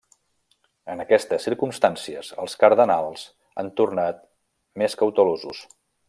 En aquestes circumstàncies, els cardenals han tornat més cautelosos.